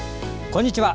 こんにちは。